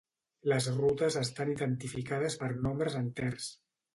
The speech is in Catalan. Les rutes estan identificades per nombres enters.